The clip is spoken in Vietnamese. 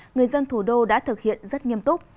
người dân thủ đô đã thực hiện rất nghiêm túc